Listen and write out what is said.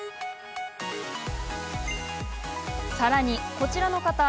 さらに、こちらの方。